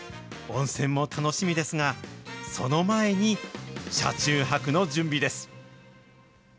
温泉も楽しみですが、その前に車中泊の準備です。